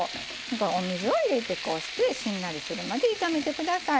お水を入れて、しんなりするまで炒めてください。